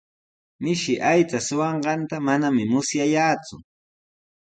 Mishi aycha suqanqanta manami musyayaaku.